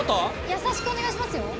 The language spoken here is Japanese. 優しくお願いしますよ。